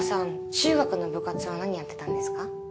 中学の部活は何やってたんですか？